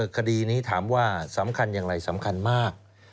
คดีนี้ถามว่าสำคัญอย่างไรสำคัญมาก